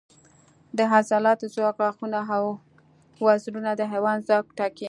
د عضلاتو ځواک، غاښونه او وزرونه د حیوان ځواک ټاکي.